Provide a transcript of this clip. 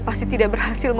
masuklah ke dalam